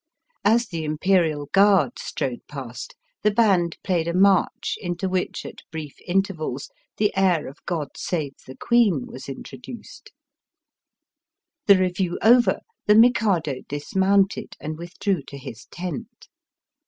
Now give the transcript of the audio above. As the Im perial Guard strode past the band played a march into which at brief intervals the air of " God Save the Queen " was introduced. The review over, the Mikado dismounted and withdrew to his tent.